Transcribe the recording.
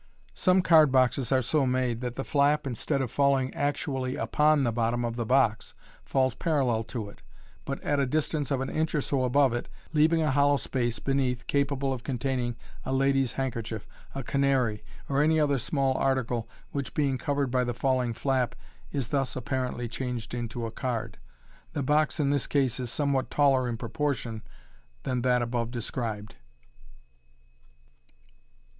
Some card boxes are so made, that the flap, instead of falling actually upon the bottom of the box, falls parallel to it, but at a dis tance of an inch or so above it, leaving a hollow space beneath capable of containing a lady's handkerchief, a canary, or any other small article, which, being covered by the falling flap, is thus apparently changed into a card. The box in this case is somewhat taller in pro portion than that above described.